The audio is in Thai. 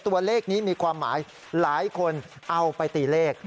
ตัวเลขนี้มีความหมายหลายคนเอาไปตีเลข